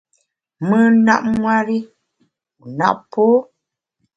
Mùn nap nwer i, wu nap pô.